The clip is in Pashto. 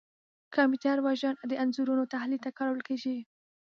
کمپیوټر وژن د انځورونو تحلیل ته کارول کېږي.